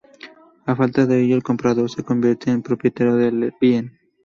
A falta de ello, el comprador se convierte en propietario del bien.